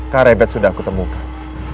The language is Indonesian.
karebet sudah aku temukan